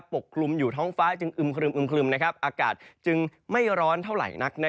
กลุ่มอยู่ท้องฟ้าจึงอึมครึมอากาศจึงไม่ร้อนเท่าไหร่นัก